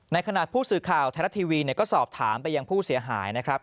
ขณะผู้สื่อข่าวไทยรัฐทีวีก็สอบถามไปยังผู้เสียหายนะครับ